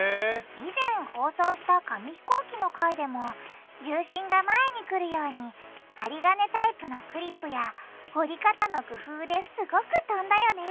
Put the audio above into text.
以前放送した紙飛行機の回でも重心が前に来るように針金タイプのクリップや折り方の工夫ですごく飛んだよね